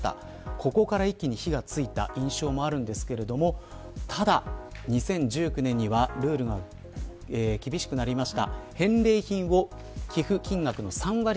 ここから火がついた印象ですがただ、２０１９年にはルールが厳しくなりました。